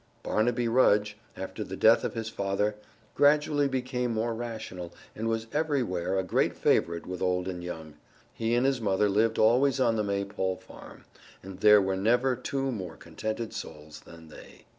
Barnaby Rudge, after the death of his father, gradually became more rational and was everywhere a great favorite with old and young. He and his mother lived always on the Maypole farm, and there were never two more contented souls than they.